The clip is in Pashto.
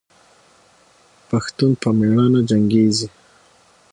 پښتون په میړانه جنګیږي.